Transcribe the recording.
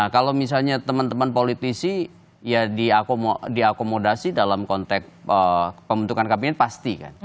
kalau misalnya teman teman politisi ya diakomodasi dalam konteks pembentukan kabinet pasti kan